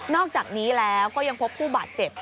อกจากนี้แล้วก็ยังพบผู้บาดเจ็บ